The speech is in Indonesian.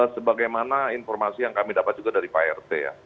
sebagaimana informasi yang kami dapat juga dari pak rt ya